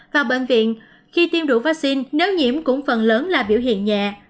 vào bệnh viện khi tiêm đủ vaccine nếu nhiễm cũng phần lớn là biểu hiện nhẹ